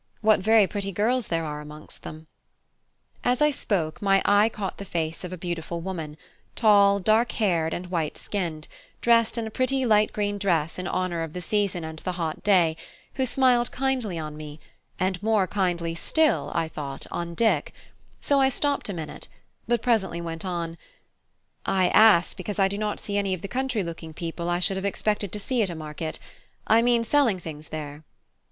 What very pretty girls there are amongst them." As I spoke, my eye caught the face of a beautiful woman, tall, dark haired, and white skinned, dressed in a pretty light green dress in honour of the season and the hot day, who smiled kindly on me, and more kindly still, I thought on Dick; so I stopped a minute, but presently went on: "I ask because I do not see any of the country looking people I should have expected to see at a market I mean selling things there."